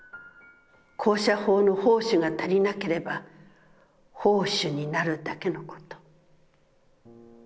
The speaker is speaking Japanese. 高射砲の砲手が足りなければ砲手になるだけのこと」。